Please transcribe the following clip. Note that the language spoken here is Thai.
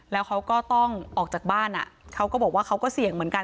แล้วเขาก็ต้องออกจากบ้านเขาก็บอกว่าเขาก็เสี่ยงเหมือนกัน